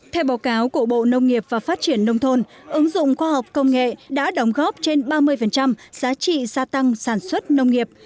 theo báo cáo của bộ nông nghiệp và phát triển nông thôn ứng dụng khoa học công nghệ đã đóng góp trên ba mươi giá trị gia tăng sản xuất nông nghiệp